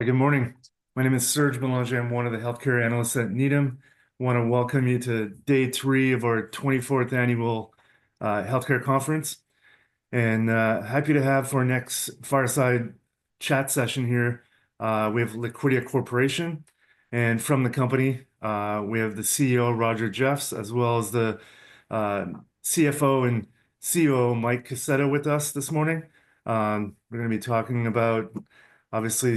Good morning. My name is Serge Belanger. I'm one of the healthcare analysts at Needham. I want to welcome you to day three of our 24th annual healthcare conference, and happy to have for our next fireside chat session here. We have Liquidia Corporation, and from the company, we have the CEO, Roger Jeffs, as well as the CFO and COO, Mike Kaseta, with us this morning. We're going to be talking about, obviously,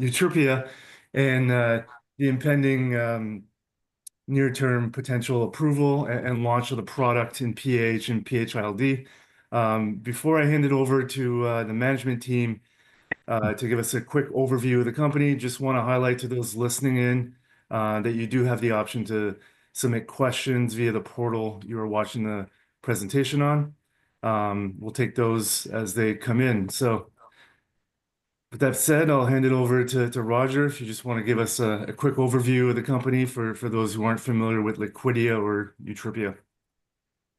YUTREPIA and the impending near-term potential approval and launch of the product in PAH and PH-ILD. Before I hand it over to the management team to give us a quick overview of the company, I just want to highlight to those listening in that you do have the option to submit questions via the portal you are watching the presentation on. We'll take those as they come in. With that said, I'll hand it over to Roger if you just want to give us a quick overview of the company for those who aren't familiar with Liquidia or YUTREPIA.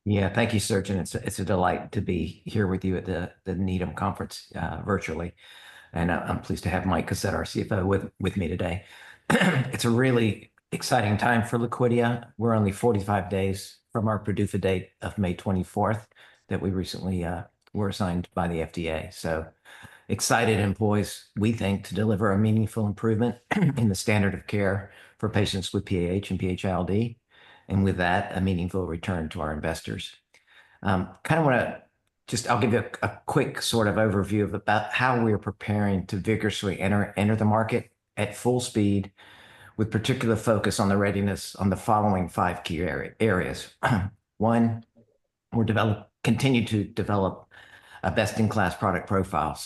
Yeah, thank you, Serge. It's a delight to be here with you at the Needham conference virtually. I'm pleased to have Mike Kaseta, our CFO, with me today. It's a really exciting time for Liquidia. We're only 45 days from our PDUFA date of May 24th that we recently were assigned by the FDA. Excited employees, we think, to deliver a meaningful improvement in the standard of care for patients with PAH and PH-ILD, and with that, a meaningful return to our investors. Kind of want to just, I'll give you a quick sort of overview of about how we are preparing to vigorously enter the market at full speed, with particular focus on the readiness on the following five key areas. One, we're continuing to develop a best-in-class product profile.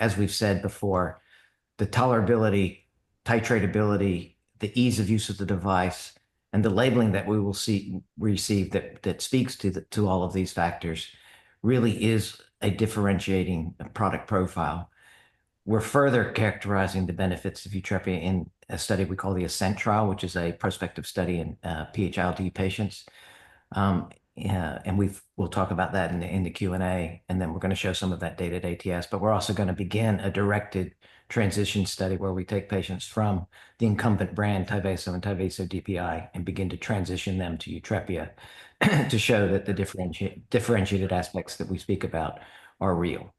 As we've said before, the tolerability, titratability, the ease of use of the device, and the labeling that we will receive that speaks to all of these factors really is a differentiating product profile. We're further characterizing the benefits of YUTREPIA in a study we call the ASCENT trial, which is a prospective study in PH-ILD patients. We'll talk about that in the Q&A, and we're going to show some of that data at ATS. We're also going to begin a directed transition study where we take patients from the incumbent brand, Tyvaso, Tyvaso DPI, and begin to transition them to YUTREPIA to show that the differentiated aspects that we speak about are real.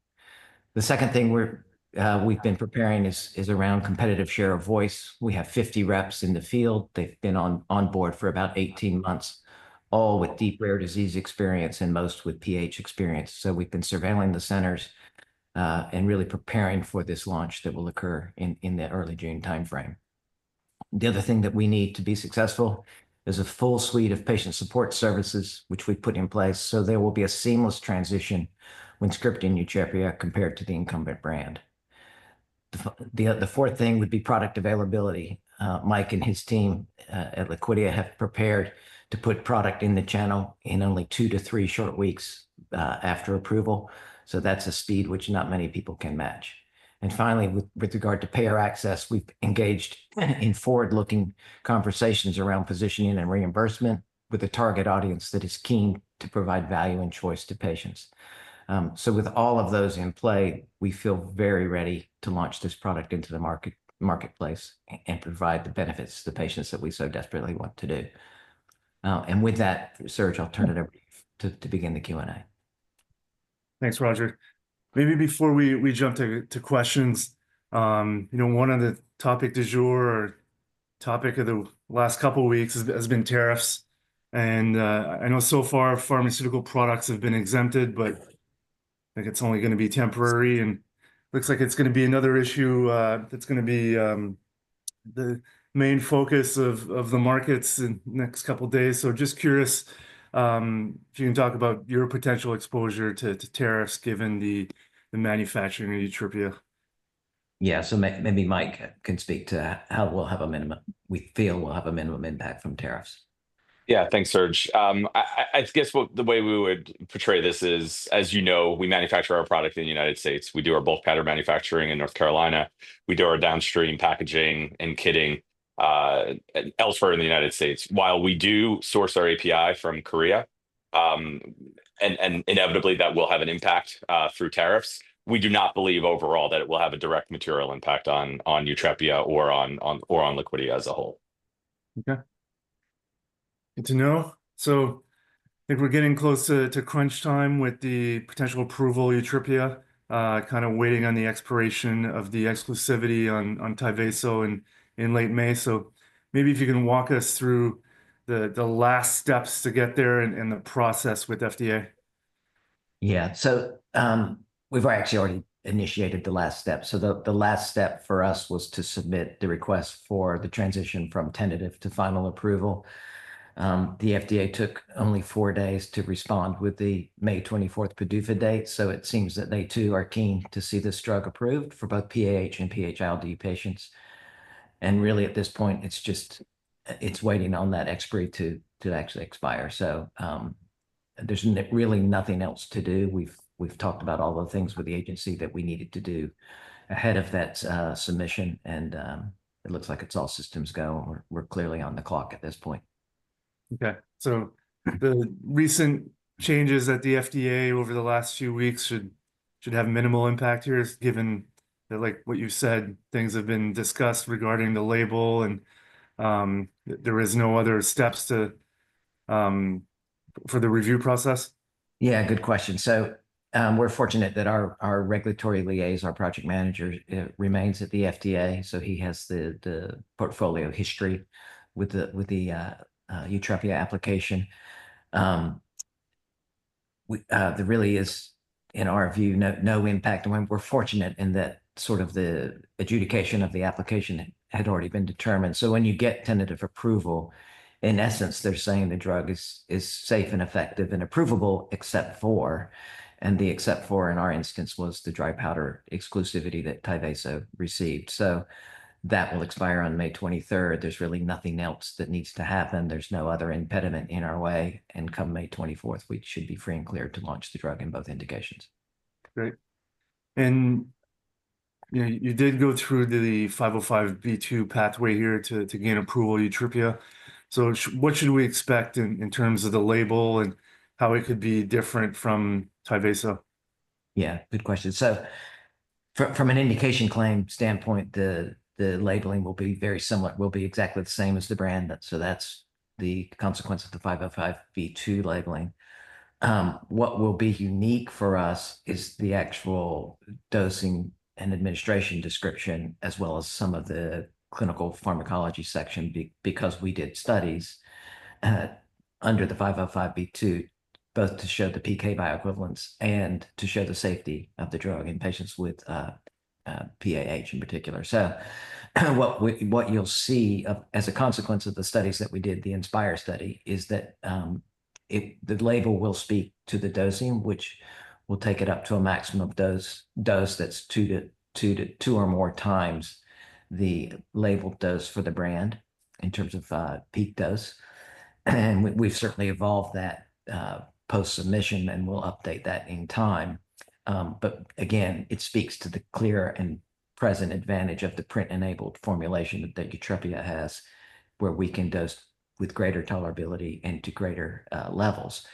The second thing we've been preparing is around competitive share of voice. We have 50 reps in the field. They've been on board for about 18 months, all with deep rare disease experience and most with PH experience. We've been surveilling the centers and really preparing for this launch that will occur in the early June timeframe. The other thing that we need to be successful is a full suite of patient support services, which we've put in place, so there will be a seamless transition when scripting YUTREPIA compared to the incumbent brand. The fourth thing would be product availability. Mike and his team at Liquidia have prepared to put product in the channel in only two to three short weeks after approval. That's a speed which not many people can match. Finally, with regard to payer access, we've engaged in forward-looking conversations around positioning and reimbursement with a target audience that is keen to provide value and choice to patients. With all of those in play, we feel very ready to launch this product into the marketplace and provide the benefits to the patients that we so desperately want to do. With that, Serge, I'll turn it over to begin the Q&A. Thanks, Roger. Maybe before we jump to questions, one of the topic du jour or topic of the last couple of weeks has been tariffs. I know so far pharmaceutical products have been exempted, but I think it's only going to be temporary. It looks like it's going to be another issue that's going to be the main focus of the markets in the next couple of days. Just curious if you can talk about your potential exposure to tariffs given the manufacturing of YUTREPIA. Yeah, so maybe Mike can speak to how we'll have a minimum—we feel we'll have a minimum impact from tariffs. Yeah, thanks, Serge. I guess the way we would portray this is, as you know, we manufacture our product in the United States. We do our bulk powder manufacturing in North Carolina. We do our downstream packaging and kitting elsewhere in the United States. While we do source our API from Korea, and inevitably that will have an impact through tariffs, we do not believe overall that it will have a direct material impact on YUTREPIA or on Liquidia as a whole. Okay. Good to know. I think we're getting close to crunch time with the potential approval of YUTREPIA, kind of waiting on the expiration of the exclusivity on Tyvaso in late May. Maybe if you can walk us through the last steps to get there and the process with FDA. Yeah, we've actually already initiated the last step. The last step for us was to submit the request for the transition from tentative to final approval. The FDA took only four days to respond with the May 24 PDUFA date. It seems that they too are keen to see this drug approved for both PAH and PH-ILD patients. Really, at this point, it's just waiting on that expiry to actually expire. There's really nothing else to do. We've talked about all the things with the agency that we needed to do ahead of that submission, and it looks like it's all systems go. We're clearly on the clock at this point. Okay. The recent changes at the FDA over the last few weeks should have minimal impact here given that, like what you said, things have been discussed regarding the label, and there are no other steps for the review process? Yeah, good question. We're fortunate that our regulatory liaison, our project manager, remains at the FDA. He has the portfolio history with the YUTREPIA application. There really is, in our view, no impact. We're fortunate in that sort of the adjudication of the application had already been determined. When you get tentative approval, in essence, they're saying the drug is safe and effective and approvable, except for—and the except for in our instance was the dry powder exclusivity that Tyvaso DPI received. That will expire on May 23. There's really nothing else that needs to happen. There's no other impediment in our way. Come May 24, we should be free and clear to launch the drug in both indications. Great. You did go through the 505(b)(2) pathway here to gain approval of YUTREPIA. What should we expect in terms of the label and how it could be different from Tyvaso? Yeah, good question. From an indication claim standpoint, the labeling will be very similar, will be exactly the same as the brand. That is the consequence of the 505(b)(2) labeling. What will be unique for us is the actual dosing and administration description, as well as some of the clinical pharmacology section, because we did studies under the 505(b)(2) both to show the PK bioequivalence and to show the safety of the drug in patients with PAH in particular. What you'll see as a consequence of the studies that we did, the INSPIRE study, is that the label will speak to the dosing, which will take it up to a maximum dose that's two to two or more times the labeled dose for the brand in terms of peak dose. We have certainly evolved that post-submission, and we'll update that in time. Again, it speaks to the clear and present advantage of the PRINT-enabled formulation that YUTREPIA has, where we can dose with greater tolerability and to greater levels.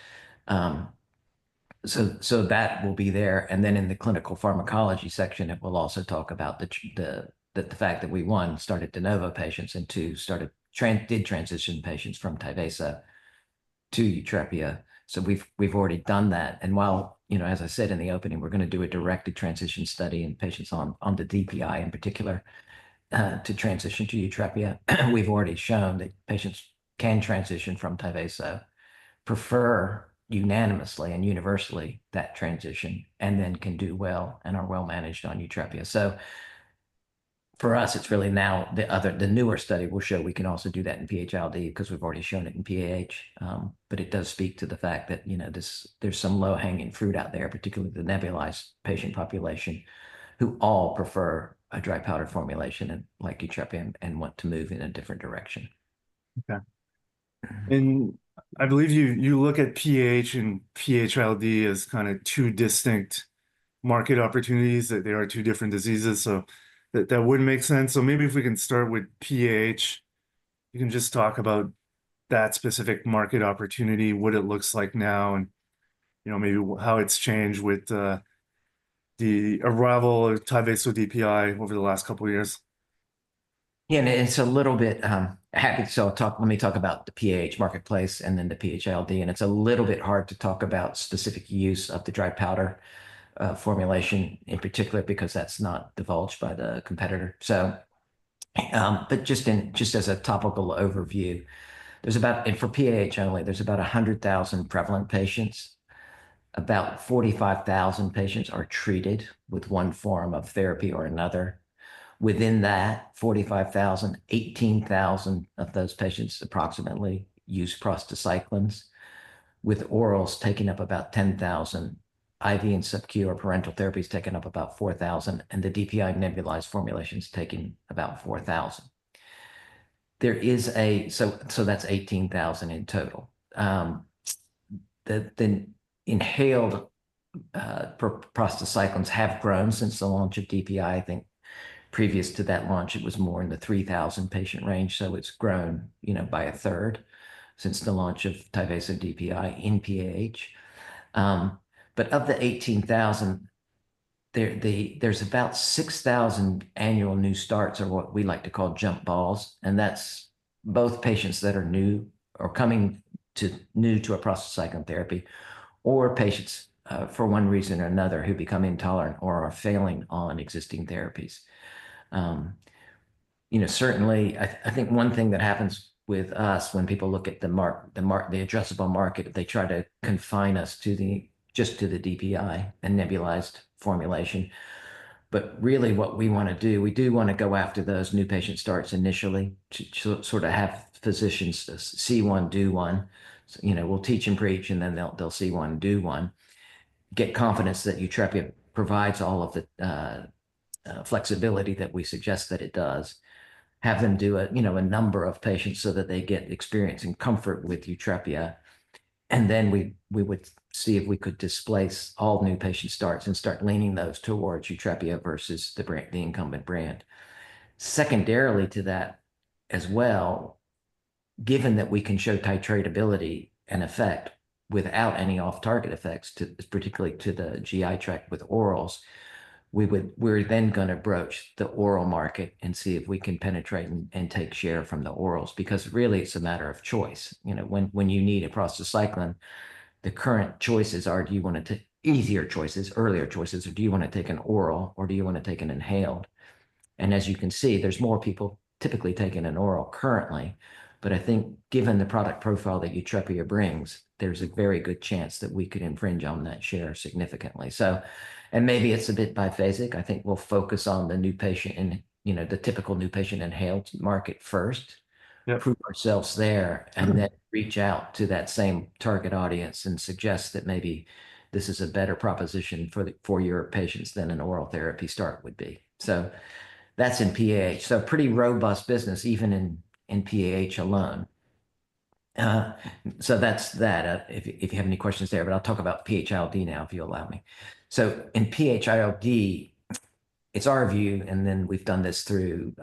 That will be there. In the clinical pharmacology section, it will also talk about the fact that we, one, started de novo patients, and two, did transition patients from Tyvaso to YUTREPIA. We have already done that. As I said in the opening, we are going to do a directed transition study in patients on the DPI in particular to transition to YUTREPIA. We have already shown that patients can transition from Tyvaso, prefer unanimously and universally that transition, and then can do well and are well managed on YUTREPIA. For us, it is really now the newer study will show we can also do that in PH-ILD because we have already shown it in PAH. It does speak to the fact that there's some low-hanging fruit out there, particularly the nebulized patient population, who all prefer a dry powder formulation like YUTREPIA and want to move in a different direction. Okay. I believe you look at PAH and PH-ILD as kind of two distinct market opportunities, that they are two different diseases. That would make sense. Maybe if we can start with PAH, you can just talk about that specific market opportunity, what it looks like now, and maybe how it's changed with the arrival of Tyvaso DPI over the last couple of years. Yeah, and it is a little bit happy. Let me talk about the PAH marketplace and then the PH-ILD. It is a little bit hard to talk about specific use of the dry powder formulation in particular because that is not divulged by the competitor. Just as a topical overview, there is about—and for PAH only, there is about 100,000 prevalent patients. About 45,000 patients are treated with one form of therapy or another. Within that 45,000, 18,000 of those patients approximately use prostacyclines, with orals taking up about 10,000, IV and subcutaneous or parenteral therapies taking up about 4,000, and the DPI nebulized formulations taking about 4,000. That is 18,000 in total. The inhaled prostacyclines have grown since the launch of DPI. I think previous to that launch, it was more in the 3,000 patient range. It's grown by a third since the launch of Tyvaso DPI in PAH. Of the 18,000, there's about 6,000 annual new starts or what we like to call jump balls. That's both patients that are new or coming new to a prostacyclin therapy or patients for one reason or another who become intolerant or are failing on existing therapies. Certainly, I think one thing that happens with us when people look at the addressable market, they try to confine us just to the DPI and nebulized formulation. What we want to do, we do want to go after those new patient starts initially to sort of have physicians see one, do one. We'll teach and preach, and then they'll see one, do one. Get confidence that YUTREPIA provides all of the flexibility that we suggest that it does. Have them do a number of patients so that they get experience and comfort with YUTREPIA. We would see if we could displace all new patient starts and start leaning those towards YUTREPIA versus the incumbent brand. Secondarily to that as well, given that we can show titratability and effect without any off-target effects, particularly to the GI tract with orals, we are then going to broach the oral market and see if we can penetrate and take share from the orals. Because really, it is a matter of choice. When you need a prostacyclin, the current choices are: do you want to take easier choices, earlier choices, or do you want to take an oral, or do you want to take an inhaled? As you can see, there are more people typically taking an oral currently. I think given the product profile that YUTREPIA brings, there's a very good chance that we could infringe on that share significantly. Maybe it's a bit biphasic. I think we'll focus on the new patient and the typical new patient inhaled market first, prove ourselves there, and then reach out to that same target audience and suggest that maybe this is a better proposition for your patients than an oral therapy start would be. That's in PAH. Pretty robust business even in PAH alone. If you have any questions there, I'll talk about PH-ILD now if you allow me. In PH-ILD, it's our view, and we've done this through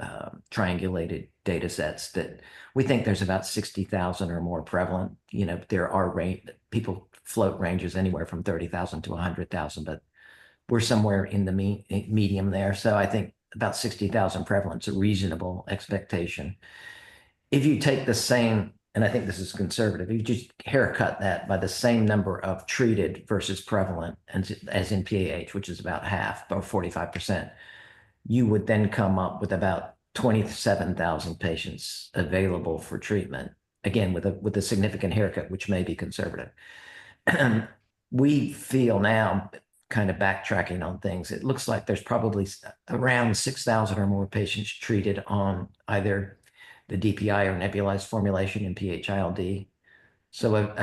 triangulated data sets, that we think there's about 60,000 or more prevalent. People float ranges anywhere from 30,000-100,000, but we're somewhere in the medium there. I think about 60,000 prevalent is a reasonable expectation. If you take the same—and I think this is conservative—if you just haircut that by the same number of treated versus prevalent as in PAH, which is about half, about 45%, you would then come up with about 27,000 patients available for treatment, again, with a significant haircut, which may be conservative. We feel now, kind of backtracking on things, it looks like there's probably around 6,000 or more patients treated on either the DPI or nebulized formulation in PH-ILD. A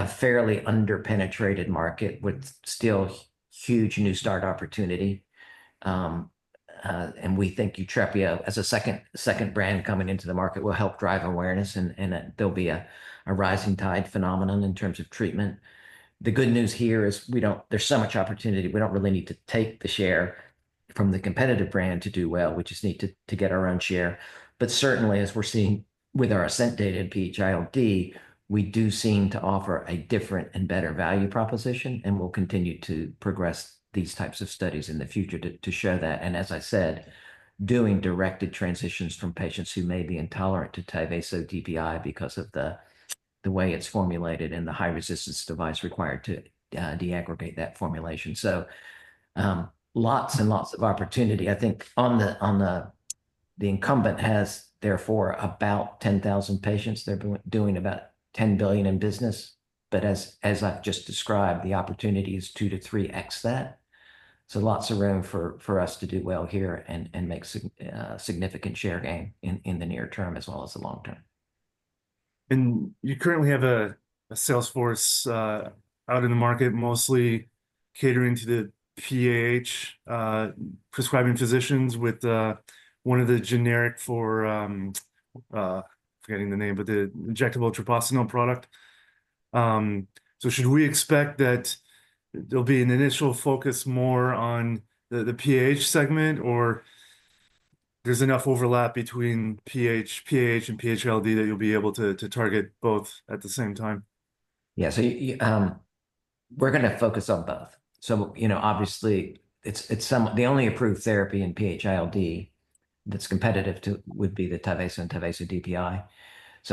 fairly underpenetrated market with still huge new start opportunity. We think YUTREPIA as a second brand coming into the market will help drive awareness, and there'll be a rising tide phenomenon in terms of treatment. The good news here is there's so much opportunity. We do not really need to take the share from the competitive brand to do well. We just need to get our own share. Certainly, as we are seeing with our ASCENT data in PH-ILD, we do seem to offer a different and better value proposition, and we will continue to progress these types of studies in the future to show that. As I said, doing directed transitions from patients who may be intolerant to Tyvaso DPI because of the way it is formulated and the high-resistance device required to deaggregate that formulation. Lots and lots of opportunity. I think the incumbent has therefore about 10,000 patients. They are doing about $10 billion in business. As I have just described, the opportunity is two to three X that. Lots of room for us to do well here and make significant share gain in the near term as well as the long term. You currently have a Salesforce out in the market, mostly catering to the PAH prescribing physicians with one of the generic—forgetting the name—but the injectable Treprostinil product. Should we expect that there'll be an initial focus more on the PAH segment, or there's enough overlap between PAH and PH-ILD that you'll be able to target both at the same time? Yeah. We're going to focus on both. Obviously, the only approved therapy in PH-ILD that's competitive would be the Tyvaso, Tyvaso DPI.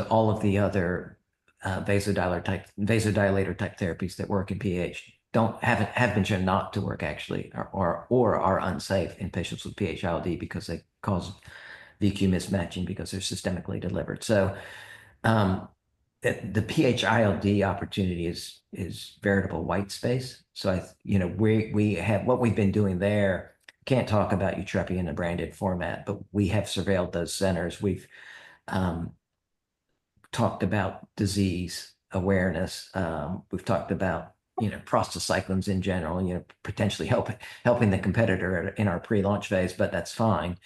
All of the other vasodilator-type therapies that work in PAH have been shown not to work actually or are unsafe in patients with PH-ILD because they cause VQ mismatching because they're systemically delivered. The PH-ILD opportunity is veritable white space. What we've been doing there—can't talk about YUTREPIA in a branded format—but we have surveilled those centers. We've talked about disease awareness. We've talked about prostacyclins in general, potentially helping the competitor in our pre-launch phase, but that's fine.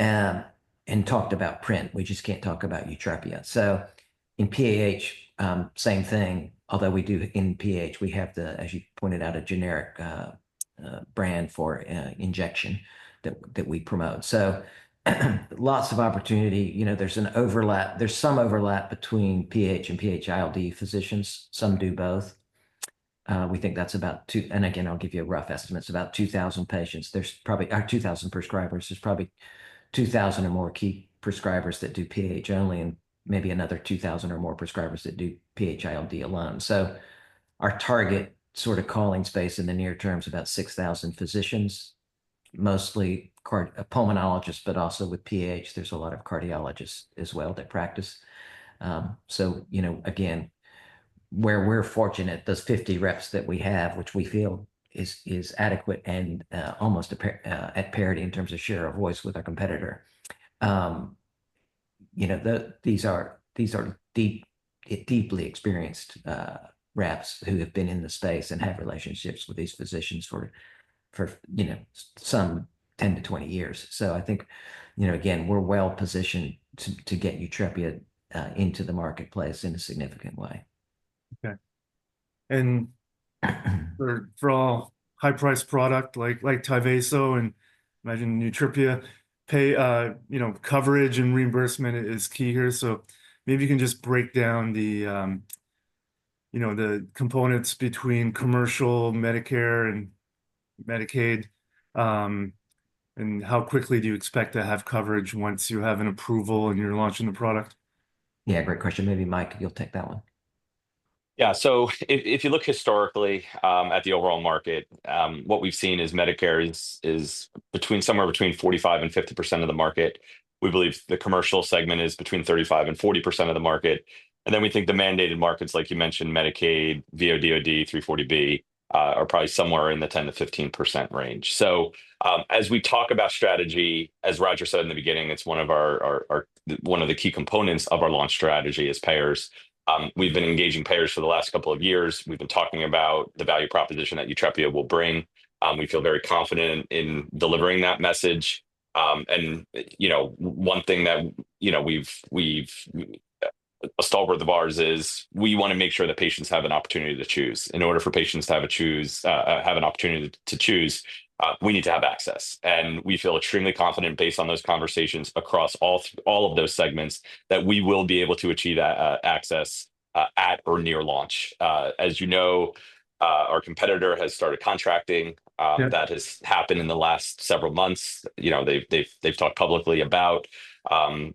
Talked about PRINT. We just can't talk about YUTREPIA. In PAH, same thing. Although we do in PAH, we have the, as you pointed out, a generic Treprostinil Injection that we promote. Lots of opportunity. There's some overlap between PAH and PH-ILD physicians. Some do both. We think that's about—and again, I'll give you a rough estimate—it's about 2,000 patients. There's probably our 2,000 prescribers. There's probably 2,000 or more key prescribers that do PAH only and maybe another 2,000 or more prescribers that do PH-ILD alone. Our target sort of calling space in the near term is about 6,000 physicians, mostly pulmonologists, but also with PAH, there's a lot of cardiologists as well that practice. Where we're fortunate, those 50 reps that we have, which we feel is adequate and almost at parity in terms of share of voice with our competitor, these are deeply experienced reps who have been in the space and have relationships with these physicians for some 10 to 20 years. I think, again, we're well positioned to get YUTREPIA into the marketplace in a significant way. Okay. For all high-priced products like Tyvaso and I imagine YUTREPIA, coverage and reimbursement is key here. Maybe you can just break down the components between commercial, Medicare, and Medicaid and how quickly do you expect to have coverage once you have an approval and you're launching the product? Yeah. Great question. Maybe Mike, you'll take that one. Yeah. If you look historically at the overall market, what we've seen is Medicare is somewhere between 45-50% of the market. We believe the commercial segment is between 35-40% of the market. We think the mandated markets, like you mentioned, Medicaid, VA, DOD, 340B, are probably somewhere in the 10-15% range. As we talk about strategy, as Roger said in the beginning, it's one of the key components of our launch strategy as payers. We've been engaging payers for the last couple of years. We've been talking about the value proposition that YUTREPIA will bring. We feel very confident in delivering that message. One thing that has been a stalwart of ours is we want to make sure that patients have an opportunity to choose. In order for patients to have an opportunity to choose, we need to have access. We feel extremely confident based on those conversations across all of those segments that we will be able to achieve access at or near launch. As you know, our competitor has started contracting. That has happened in the last several months. They have talked publicly about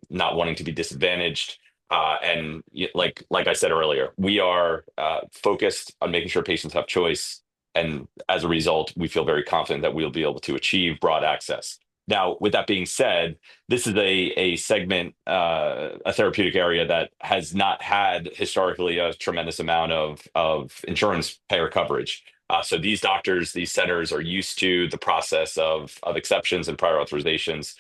not wanting to be disadvantaged. Like I said earlier, we are focused on making sure patients have choice. As a result, we feel very confident that we will be able to achieve broad access. That being said, this is a segment, a therapeutic area that has not had historically a tremendous amount of insurance payer coverage. These doctors, these centers are used to the process of exceptions and prior authorizations.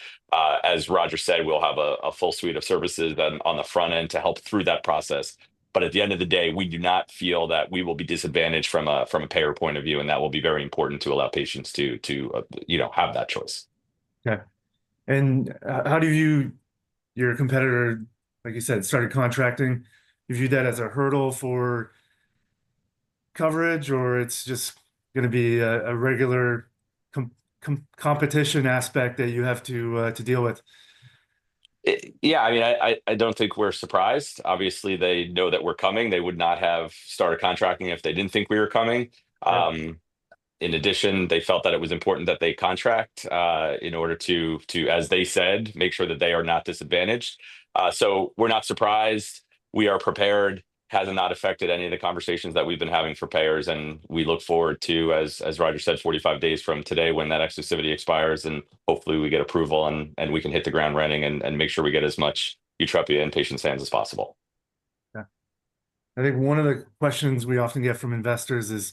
As Roger said, we'll have a full suite of services on the front end to help through that process. At the end of the day, we do not feel that we will be disadvantaged from a payer point of view, and that will be very important to allow patients to have that choice. Okay. How do you view your competitor, like you said, started contracting? Do you view that as a hurdle for coverage, or it's just going to be a regular competition aspect that you have to deal with? Yeah. I mean, I don't think we're surprised. Obviously, they know that we're coming. They would not have started contracting if they didn't think we were coming. In addition, they felt that it was important that they contract in order to, as they said, make sure that they are not disadvantaged. We're not surprised. We are prepared. It has not affected any of the conversations that we've been having for payers. We look forward to, as Roger said, 45 days from today when that exclusivity expires, and hopefully, we get approval and we can hit the ground running and make sure we get as much YUTREPIA in patients' hands as possible. Okay. I think one of the questions we often get from investors is,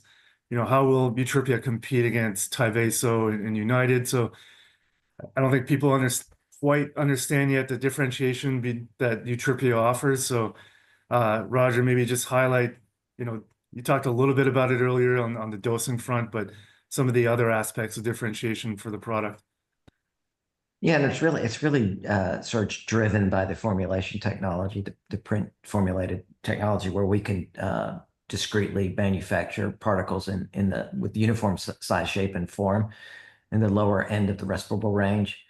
how will YUTREPIA compete against Tyvaso and United Therapeutics? I do not think people quite understand yet the differentiation that YUTREPIA offers. Roger, maybe just highlight, you talked a little bit about it earlier on the dosing front, but some of the other aspects of differentiation for the product. Yeah. It is really sort of driven by the formulation technology, the PRINT-formulated technology, where we can discreetly manufacture particles with uniform size, shape, and form in the lower end of the respirable range.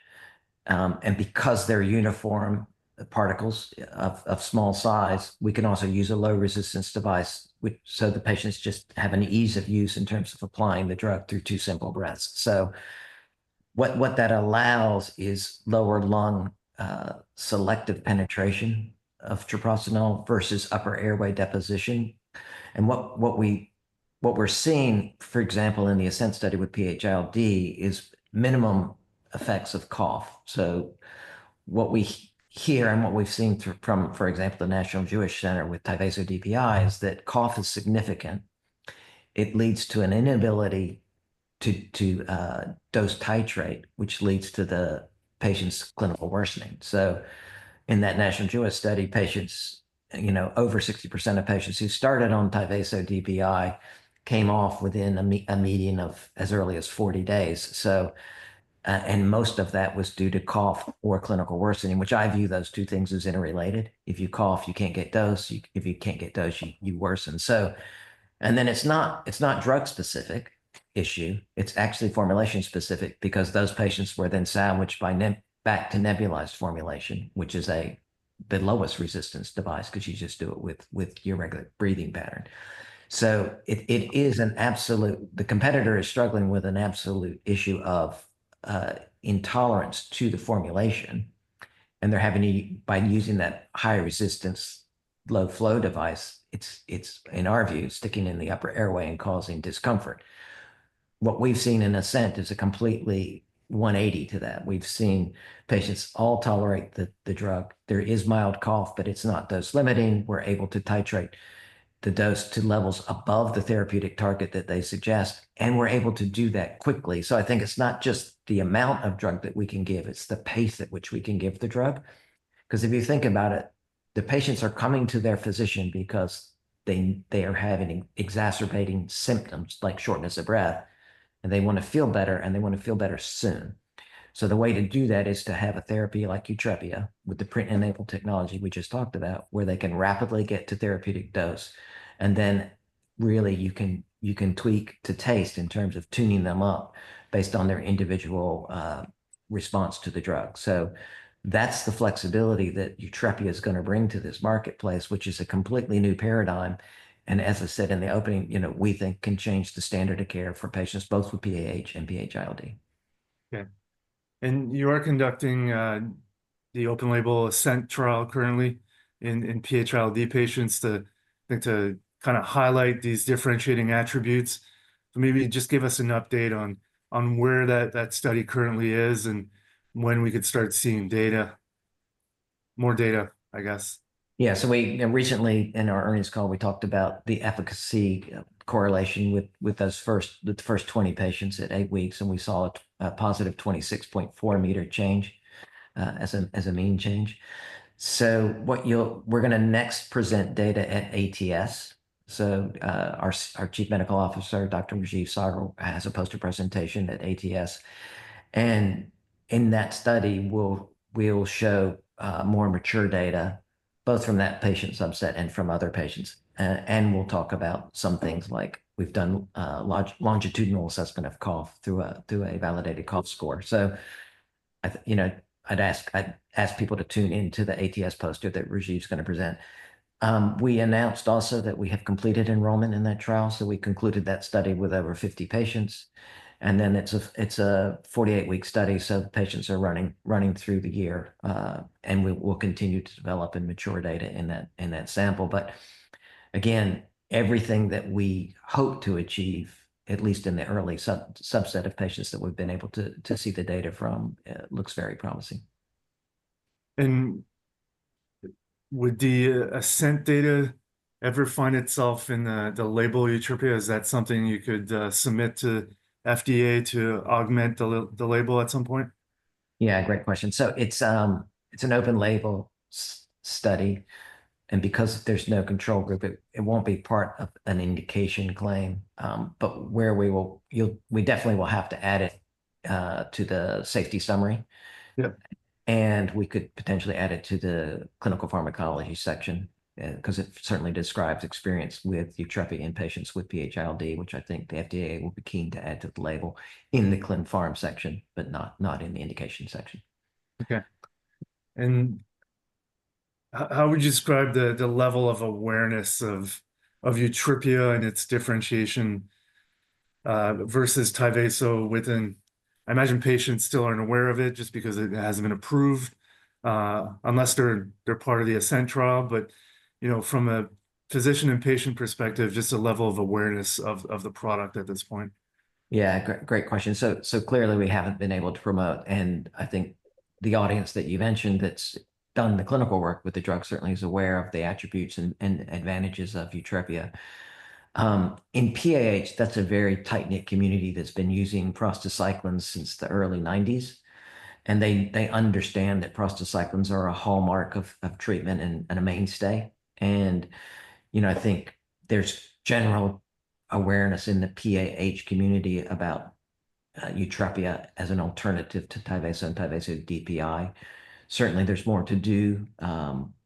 Because they are uniform particles of small size, we can also use a low-resistance device, so the patients just have an ease of use in terms of applying the drug through two simple breaths. What that allows is lower lung selective penetration of treprostinil versus upper airway deposition. What we are seeing, for example, in the ASCENT study with PH-ILD is minimum effects of cough. What we hear and what we have seen from, for example, the National Jewish Health Center with Tyvaso DPI is that cough is significant. It leads to an inability to dose titrate, which leads to the patient's clinical worsening. In that National Jewish study, over 60% of patients who started on Tyvaso DPI came off within a median of as early as 40 days. Most of that was due to cough or clinical worsening, which I view those two things as interrelated. If you cough, you cannot get dose. If you cannot get dose, you worsen. It is not a drug-specific issue. It is actually formulation-specific because those patients were then sandwiched back to nebulized formulation, which is the lowest resistance device because you just do it with your regular breathing pattern. It is an absolute—the competitor is struggling with an absolute issue of intolerance to the formulation. They are having to, by using that high-resistance low-flow device, it is, in our view, sticking in the upper airway and causing discomfort. What we have seen in ASCENT is a completely 180 to that. We've seen patients all tolerate the drug. There is mild cough, but it's not dose-limiting. We're able to titrate the dose to levels above the therapeutic target that they suggest, and we're able to do that quickly. I think it's not just the amount of drug that we can give. It's the pace at which we can give the drug. Because if you think about it, the patients are coming to their physician because they are having exacerbating symptoms like shortness of breath, and they want to feel better, and they want to feel better soon. The way to do that is to have a therapy like YUTREPIA with the PRINT-enabled technology we just talked about, where they can rapidly get to therapeutic dose. Then really, you can tweak to taste in terms of tuning them up based on their individual response to the drug. That's the flexibility that YUTREPIA is going to bring to this marketplace, which is a completely new paradigm. As I said in the opening, we think can change the standard of care for patients both with PAH and PH-ILD. Okay. You are conducting the open-label ASCENT trial currently in PH-ILD patients to kind of highlight these differentiating attributes. Maybe just give us an update on where that study currently is and when we could start seeing more data, I guess. Yeah. Recently in our earnings call, we talked about the efficacy correlation with the first 20 patients at eight weeks, and we saw a positive 26.4-meter change as a mean change. We are going to next present data at ATS. Our Chief Medical Officer, Dr. Rajeev Sagar, has a poster presentation at ATS. In that study, we will show more mature data both from that patient subset and from other patients. We will talk about some things like we have done longitudinal assessment of cough through a validated cough score. I would ask people to tune into the ATS poster that Rajiv is going to present. We announced also that we have completed enrollment in that trial. We concluded that study with over 50 patients. It is a 48-week study. Patients are running through the year, and we will continue to develop and mature data in that sample. Again, everything that we hope to achieve, at least in the early subset of patients that we've been able to see the data from, looks very promising. Would the ASCENT data ever find itself in the label YUTREPIA? Is that something you could submit to FDA to augment the label at some point? Yeah. Great question. It is an open-label study. Because there is no control group, it will not be part of an indication claim. We definitely will have to add it to the safety summary. We could potentially add it to the clinical pharmacology section because it certainly describes experience with YUTREPIA in patients with PH-ILD, which I think the FDA will be keen to add to the label in the clin/pharm section, but not in the indication section. Okay. How would you describe the level of awareness of YUTREPIA and its differentiation versus Tyvaso within—I imagine patients still aren't aware of it just because it hasn't been approved unless they're part of the ASCENT trial. From a physician and patient perspective, just the level of awareness of the product at this point. Yeah. Great question. Clearly, we haven't been able to promote. I think the audience that you mentioned that's done the clinical work with the drug certainly is aware of the attributes and advantages of YUTREPIA. In PAH, that's a very tight-knit community that's been using prostacyclines since the early 1990s. They understand that prostacyclines are a hallmark of treatment and a mainstay. I think there's general awareness in the PAH community about YUTREPIA as an alternative to Tyvaso and Tyvaso DPI. Certainly, there's more to do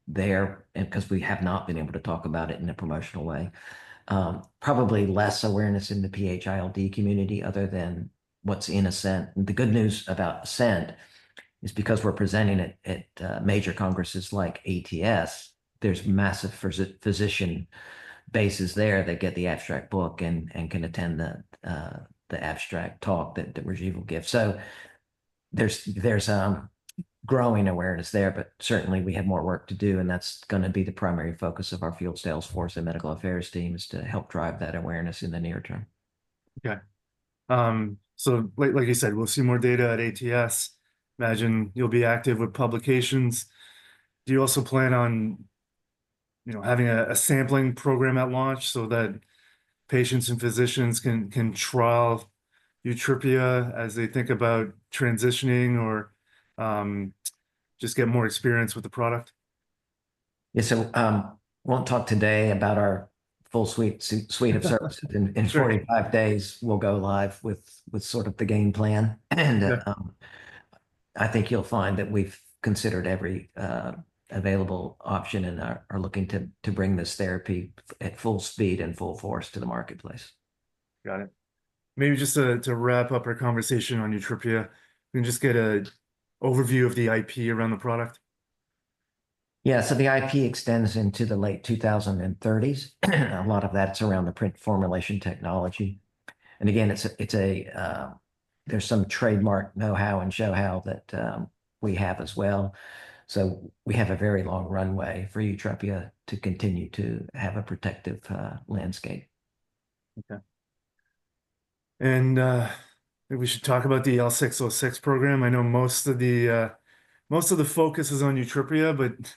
there because we have not been able to talk about it in a promotional way. Probably less awareness in the PH-ILD community other than what's in ASCENT. The good news about ASCENT is because we are presenting it at major congresses like ATS, there is a massive physician base there that get the abstract book and can attend the abstract talk that Rajiv will give. There is growing awareness there, but certainly, we have more work to do. That is going to be the primary focus of our field sales force and medical affairs team, to help drive that awareness in the near term. Okay. Like you said, we'll see more data at ATS. I imagine you'll be active with publications. Do you also plan on having a sampling program at launch so that patients and physicians can trial YUTREPIA as they think about transitioning or just get more experience with the product? Yeah. We won't talk today about our full suite of services. In 45 days, we'll go live with sort of the game plan. I think you'll find that we've considered every available option and are looking to bring this therapy at full speed and full force to the marketplace. Got it. Maybe just to wrap up our conversation on YUTREPIA, can we just get an overview of the IP around the product? Yeah. The IP extends into the late 2030s. A lot of that's around the PRINT formulation technology. Again, there's some trademark know-how and show-how that we have as well. We have a very long runway for YUTREPIA to continue to have a protective landscape. Okay. Maybe we should talk about the L606 program. I know most of the focus is on YUTREPIA, but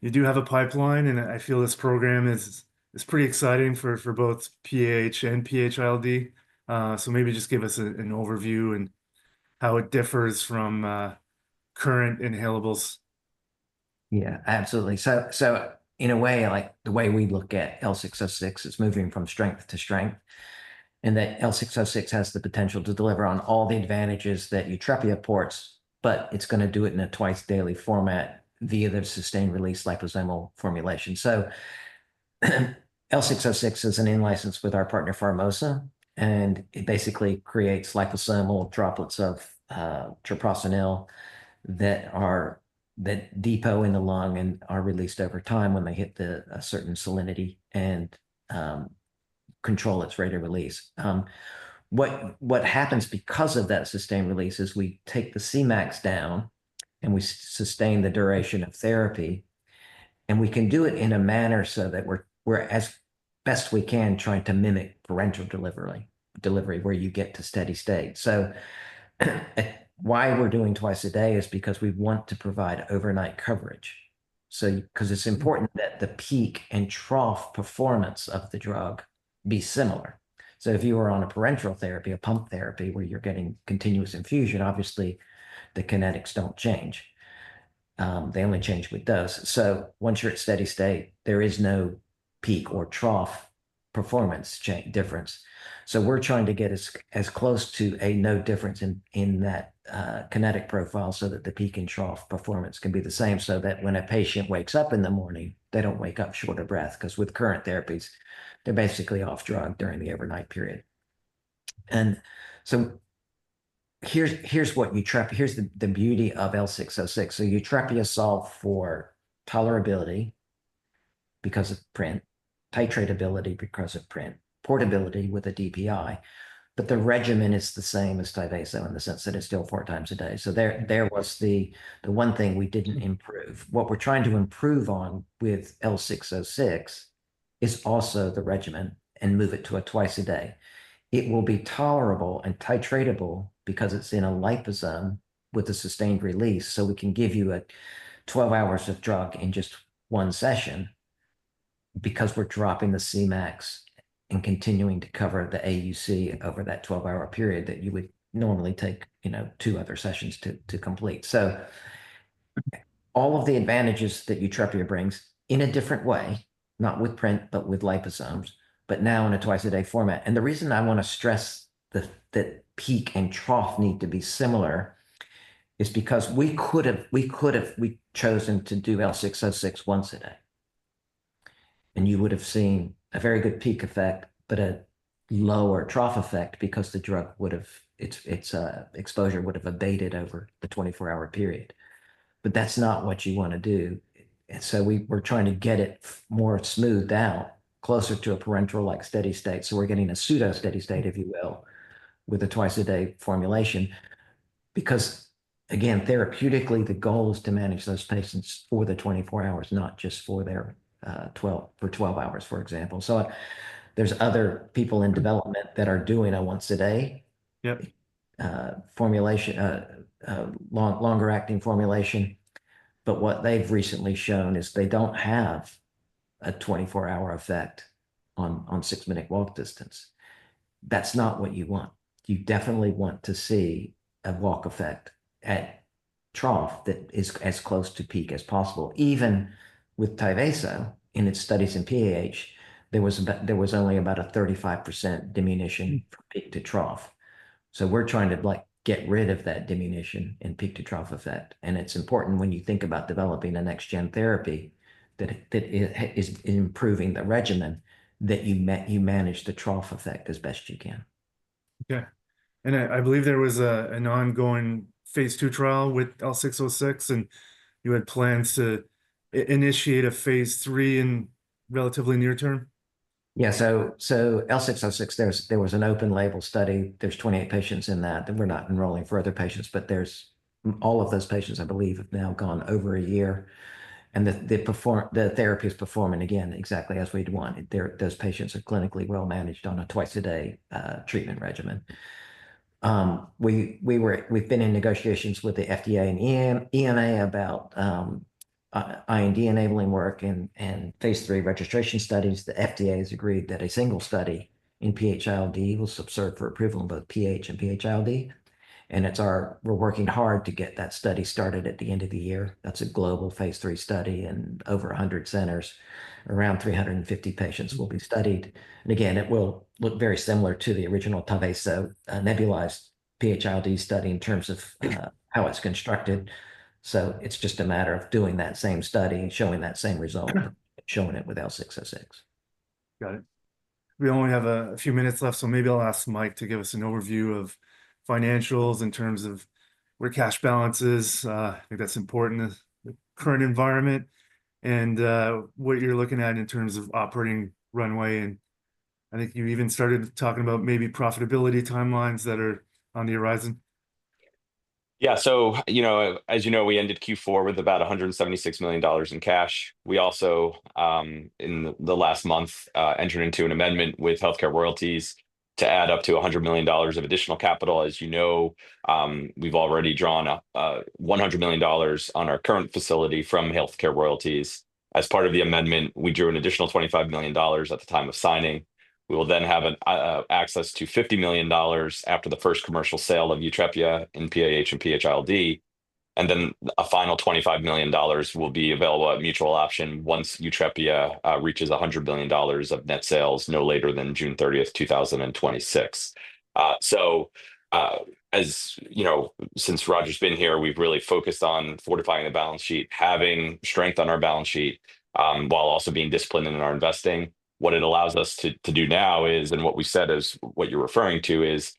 you do have a pipeline. I feel this program is pretty exciting for both PAH and PH-ILD. Maybe just give us an overview and how it differs from current inhalables. Yeah. Absolutely. In a way, the way we look at L606 is moving from strength to strength. That L606 has the potential to deliver on all the advantages that YUTREPIA ports, but it's going to do it in a twice-daily format via the sustained-release liposomal formulation. L606 is an in-license with our partner Pharmosa. It basically creates liposomal droplets of treprostinil that depot in the lung and are released over time when they hit a certain salinity and control its rate of release. What happens because of that sustained release is we take the Cmax down and we sustain the duration of therapy. We can do it in a manner so that we're as best we can trying to mimic parenteral delivery where you get to steady state. Why we're doing twice a day is because we want to provide overnight coverage. Because it's important that the peak and trough performance of the drug be similar. If you are on a parenteral therapy, a pump therapy where you're getting continuous infusion, obviously, the kinetics don't change. They only change with dose. Once you're at steady state, there is no peak or trough performance difference. We're trying to get as close to a no difference in that kinetic profile so that the peak and trough performance can be the same so that when a patient wakes up in the morning, they don't wake up short of breath because with current therapies, they're basically off drug during the overnight period. Here's what YUTREPIA—here's the beauty of L606. YUTREPIA solved for tolerability because of PRINT, titrate ability because of PRINT, portability with a DPI. The regimen is the same as Tyvaso in the sense that it's still four times a day. There was the one thing we didn't improve. What we're trying to improve on with L606 is also the regimen and move it to a twice-a-day. It will be tolerable and titratable because it's in a liposome with a sustained release. We can give you 12 hours of drug in just one session because we're dropping the Cmax and continuing to cover the AUC over that 12-hour period that you would normally take two other sessions to complete. All of the advantages that YUTREPIA brings in a different way, not with PRINT, but with liposomes, but now in a twice-a-day format. The reason I want to stress that peak and trough need to be similar is because we could have chosen to do L606 once a day. You would have seen a very good peak effect, but a lower trough effect because the drug would have—its exposure would have abated over the 24-hour period. That is not what you want to do. We are trying to get it more smoothed out, closer to a parenteral-like steady state. We are getting a pseudo-steady state, if you will, with a twice-a-day formulation. Again, therapeutically, the goal is to manage those patients for the 24 hours, not just for their 12 hours, for example. There are other people in development that are doing a once-a-day formulation, longer-acting formulation. What they have recently shown is they do not have a 24-hour effect on six-minute walk distance. That is not what you want. You definitely want to see a walk effect at trough that is as close to peak as possible. Even with Tyvaso, in its studies in PAH, there was only about a 35% diminution from peak to trough. We are trying to get rid of that diminution in peak to trough effect. It is important when you think about developing a next-gen therapy that is improving the regimen that you manage the trough effect as best you can. Okay. I believe there was an ongoing phase two trial with L606. You had plans to initiate a phase three in relatively near term? Yeah. L606, there was an open-label study. There are 28 patients in that. We're not enrolling for other patients. All of those patients, I believe, have now gone over a year. The therapy is performing again exactly as we'd wanted. Those patients are clinically well-managed on a twice-a-day treatment regimen. We've been in negotiations with the FDA and EMA about IND-enabling work and phase three registration studies. The FDA has agreed that a single study in PH-ILD will subserve for approval in both PH and PH-ILD. We're working hard to get that study started at the end of the year. That is a global phase three study in over 100 centers. Around 350 patients will be studied. It will look very similar to the original Tyvaso nebulized PH-ILD study in terms of how it's constructed. It's just a matter of doing that same study and showing that same result and showing it with L606. Got it. We only have a few minutes left. Maybe I'll ask Mike to give us an overview of financials in terms of your cash balances. I think that's important in the current environment. What you're looking at in terms of operating runway. I think you even started talking about maybe profitability timelines that are on the horizon. Yeah. So, as you know, we ended Q4 with about $176 million in cash. We also, in the last month, entered into an amendment with Healthcare Royalties to add up to $100 million of additional capital. As you know, we've already drawn $100 million on our current facility from Healthcare Royalties. As part of the amendment, we drew an additional $25 million at the time of signing. We will then have access to $50 million after the first commercial sale of YUTREPIA in PAH and PH-ILD. A final $25 million will be available at mutual option once YUTREPIA reaches $100 million of net sales no later than June 30, 2026. Since Roger's been here, we've really focused on fortifying the balance sheet, having strength on our balance sheet while also being disciplined in our investing. What it allows us to do now is, and what we said is what you're referring to is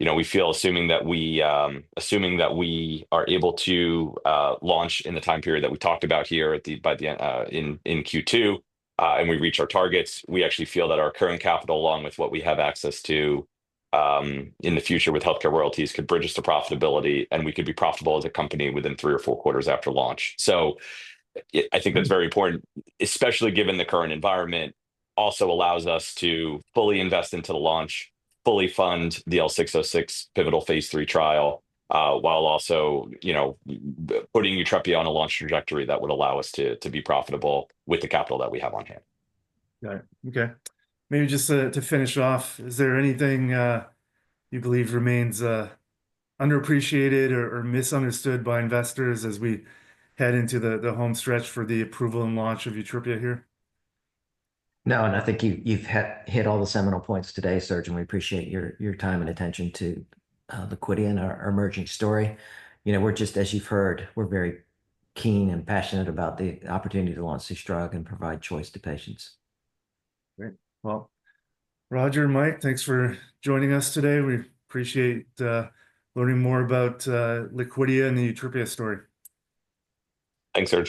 we feel assuming that we are able to launch in the time period that we talked about here by the end in Q2 and we reach our targets, we actually feel that our current capital, along with what we have access to in the future with Healthcare Royalties, could bridge us to profitability, and we could be profitable as a company within three or four quarters after launch. I think that's very important, especially given the current environment also allows us to fully invest into the launch, fully fund the L606 pivotal phase three trial, while also putting YUTREPIA on a launch trajectory that would allow us to be profitable with the capital that we have on hand. Got it. Okay. Maybe just to finish off, is there anything you believe remains underappreciated or misunderstood by investors as we head into the home stretch for the approval and launch of YUTREPIA here? No. I think you've hit all the seminal points today, Serge. We appreciate your time and attention to Liquidia and our emerging story. As you've heard, we're very keen and passionate about the opportunity to launch this drug and provide choice to patients. Great. Roger and Mike, thanks for joining us today. We appreciate learning more about Liquidia and the YUTREPIA story. Thanks, Serge.